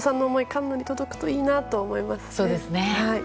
カンヌに届くといいなと思いますね。